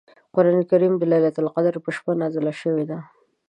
قران کریم د لیلة القدر په شپه نازل شوی دی .